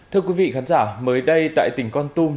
thưa quý vị khán giả mới đây tại tỉnh con tum